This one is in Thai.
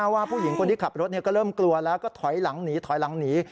ว่าผู้หญิงคนที่ขับรถก็เริ่มกลัวแล้วก็ถอยหลังหนีถอยหลังหนี